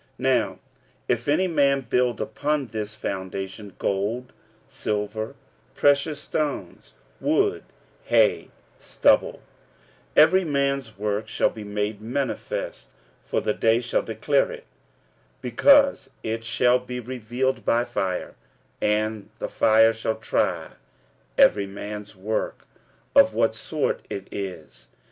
46:003:012 Now if any man build upon this foundation gold, silver, precious stones, wood, hay, stubble; 46:003:013 Every man's work shall be made manifest: for the day shall declare it, because it shall be revealed by fire; and the fire shall try every man's work of what sort it is.